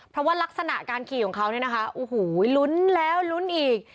เพราะว่ารักษณะการขี่ของเขาเนี่ยนะคะโอ้โหลุ้นแล้วลุ้นอีก